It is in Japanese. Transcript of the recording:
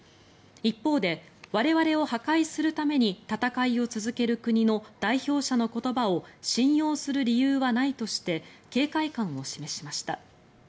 一方で、我々を破壊するために戦いを続ける国の代表者の言葉を信用する理由はないとして警戒感を示しました。